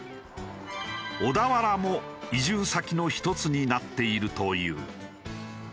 小田原も移住先の１つになっているという。